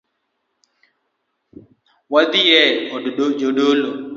Wadhie od jadolo.